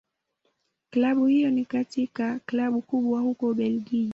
Klabu hiyo ni katika Klabu kubwa huko Ubelgiji.